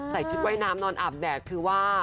ชุดว่ายน้ำนอนอาบแดดคือว่า